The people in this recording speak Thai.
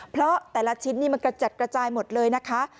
เพราะแต่ละชิ้นนี่มันกระจัดกระจายหมดเลยนะคะ